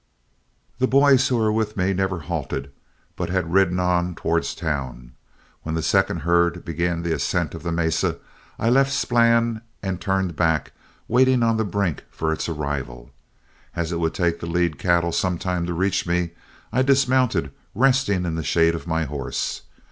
The boys who were with me never halted, but had ridden on towards town. When the second herd began the ascent of the mesa, I left Splann and turned back, waiting on the brink for its arrival. As it would take the lead cattle some time to reach me, I dismounted, resting in the shade of my horse.